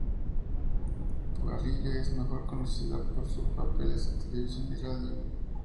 Parrilla es mejor conocida por sus papeles en televisión y radio.